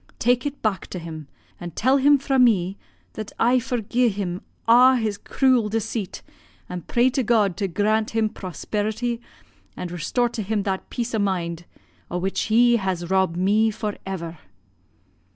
Tak' it back to him, an' tell him fra' me, that I forgi'e him a' his cruel deceit, an' pray to God to grant him prosperity, and restore to him that peace o' mind o' which he has robbed me for ever.'